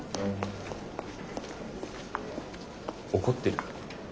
怒ってる？